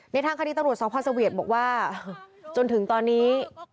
ในทางคณิตตรวจสอบพระสเวียตบอกว่าจนถึงตอนนี้